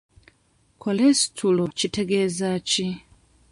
Kolesitulo kitegezaaki?